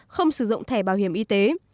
không sử dụng thẻ bảo hiểm y tế